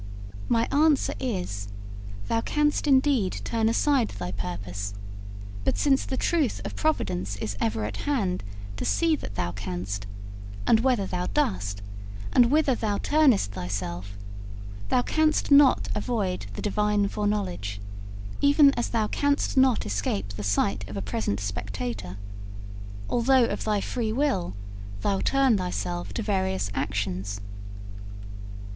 My answer is: Thou canst indeed turn aside thy purpose; but since the truth of providence is ever at hand to see that thou canst, and whether thou dost, and whither thou turnest thyself, thou canst not avoid the Divine foreknowledge, even as thou canst not escape the sight of a present spectator, although of thy free will thou turn thyself to various actions.